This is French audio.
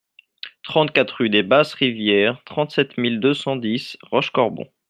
trente-quatre rue des Basses Rivières, trente-sept mille deux cent dix Rochecorbon